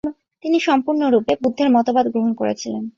তিনি সম্পূর্ণরূপে বুদ্ধের মতবাদ গ্রহণ করেছিলেন।